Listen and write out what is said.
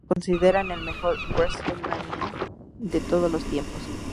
Algunos lo consideran el mejor Wrestlemania de todos los tiempos.